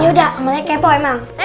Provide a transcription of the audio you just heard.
yaudah mulai kepo emang